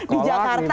di jakarta gitu